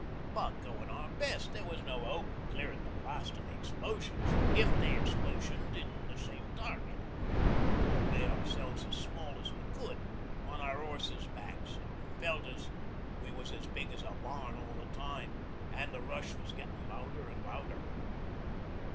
But goin' our best, there was no hope o' clearin' the blast o' the explosions if they explosioned on the same target, an' we all made ourselves as small as we could on our horses' backs an' felt we was as big as a barn all the time the rush was gettin' louder an' louder.